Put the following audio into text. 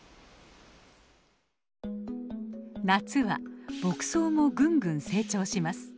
夏は牧草もぐんぐん成長します。